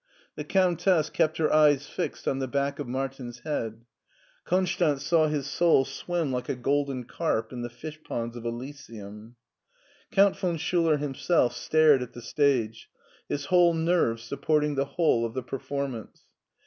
The Countess kept her eyes fixed' on the back of Martin's head. Konstanz saw his soul swim like a golden carp in the fish ponds of Elysium. Count von Schuler himself stared at the stage, his whole nerves supporting the whole of the performance.